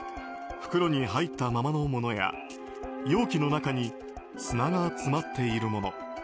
袋に入ったままのものや容器の中に砂が詰まっているもの